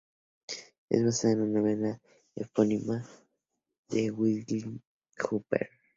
Es basada en la novela epónima de William Humphrey.